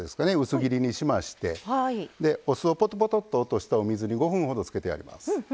薄切りにしましてお酢をぽとぽとっと落としたお水に５分ほどつけてあります。